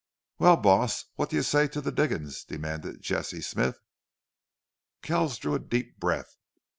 "Wal, boss, what do you say to thet diggin's?" demanded Jesse Smith. Kells drew a deep breath.